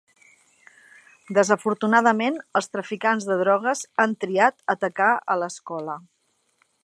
Desafortunadament, els traficants de drogues han triat atacar a l'escola.